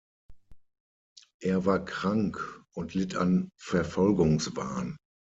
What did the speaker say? Er war krank und litt an Verfolgungswahn.